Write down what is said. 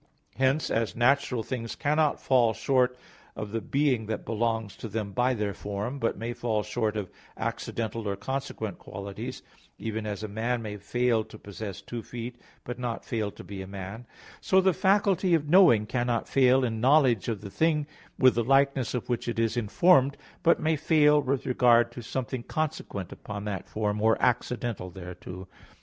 Hence, as natural things cannot fall short of the being that belongs to them by their form, but may fall short of accidental or consequent qualities, even as a man may fail to possess two feet, but not fail to be a man; so the faculty of knowing cannot fail in knowledge of the thing with the likeness of which it is informed; but may fail with regard to something consequent upon that form, or accidental thereto.